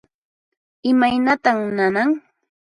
Imaynatan nanan?